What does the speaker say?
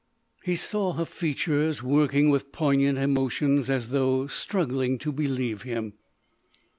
He saw her features working with poignant emotions as though struggling to believe him.